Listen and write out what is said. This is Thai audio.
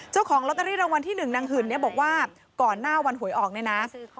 เจ้าของลอตเตอรี่รางวัลที่๑นางหื่นเนี่ยบอกว่าก่อนหน้าวันหวยออกเนี่ยนะ